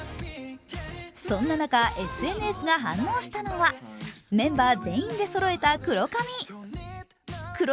そんな中、ＳＮＳが反応したのがメンバー全員でそろえた黒髪。